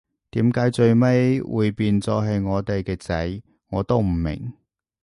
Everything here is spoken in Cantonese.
點解最尾會變咗係我哋嘅仔，我都唔明